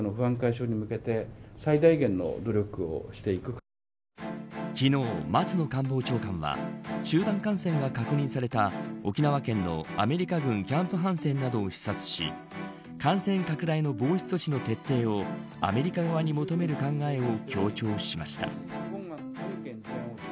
ポイントなんですけれども昨日、松野官房長官は集団感染が確認された沖縄県のアメリカ軍キャンプ・ハンセンなどを視察し感染拡大の防止措置の徹底をアメリカ側に求める考えを強調しました。